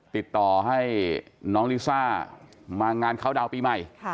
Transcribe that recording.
ติดต่อให้น้องลิซ่ามางานเข้าดาวน์ปีใหม่